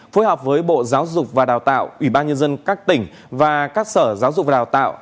phối hợp với bộ giáo dục và đào tạo ủy ban nhân dân các tỉnh và các sở giáo dục và đào tạo